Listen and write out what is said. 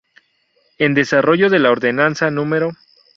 En desarrollo de la Ordenanza No.